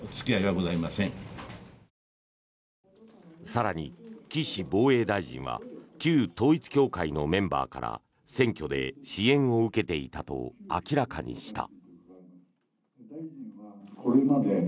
更に、岸防衛大臣は旧統一教会のメンバーから選挙で支援を受けていたと明らかにした。